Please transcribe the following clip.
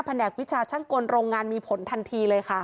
แหนกวิชาช่างกลโรงงานมีผลทันทีเลยค่ะ